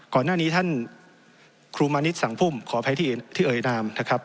ก่อนหน้านี้ท่านครูมานิดสังพุ่มขออภัยที่เอ่ยนามนะครับ